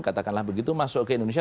katakanlah begitu masuk ke indonesia